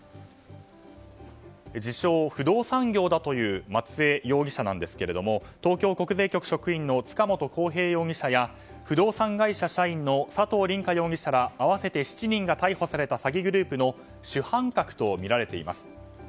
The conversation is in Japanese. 自称・不動産業だという松江容疑者ですが東京国税局職員の塚本晃平容疑者や不動産会社社員の佐藤凛果容疑者ら合わせて７人が逮捕された詐欺グループの主犯格とみられています。